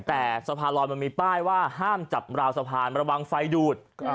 แต่สะพานลอยมันมีป้ายว่าห้ามจับราวสะพานระวังไฟดูด